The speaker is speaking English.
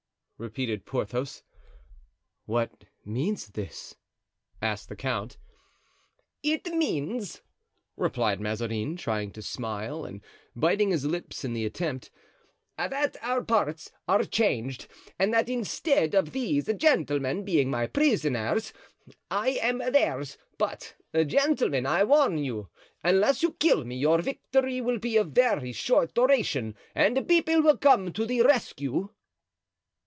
repeated Porthos. "What means this?" asked the count. "It means," replied Mazarin, trying to smile and biting his lips in the attempt, "that our parts are changed, and that instead of these gentlemen being my prisoners I am theirs; but, gentlemen, I warn you, unless you kill me, your victory will be of very short duration; people will come to the rescue."